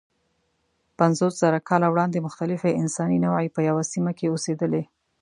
پنځوسزره کاله وړاندې مختلفې انساني نوعې په یوه سیمه کې اوسېدلې.